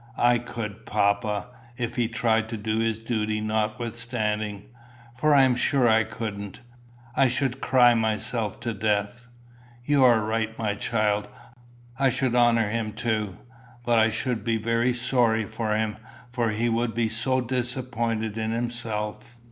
"I could, papa, if he tried to do his duty notwithstanding for I'm sure I couldn't. I should cry myself to death." "You are right, my child. I should honour him too. But I should be very sorry for him. For he would be so disappointed in himself."